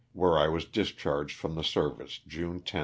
where I was discharged from the service June 10, 1865.